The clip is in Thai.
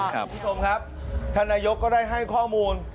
คุณผู้ชมครับท่านนายกก็ได้ให้ข้อมูล